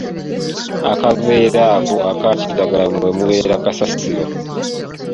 Akaveera ako akakiragala mwe mubeera kasasiro.